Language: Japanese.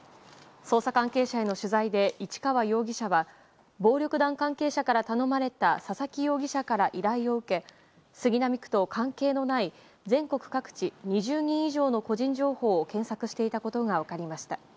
捜査関係者への取材で市川容疑者は暴力団関係者から頼まれた佐々木容疑者から依頼を受け、杉並区と関係のない全国各地２０人以上の個人情報を検索していたことが分かりました。